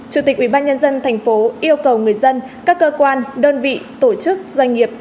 chủ tịch ủy ban nhân dân tp hcm yêu cầu người dân các cơ quan đơn vị tổ chức doanh nghiệp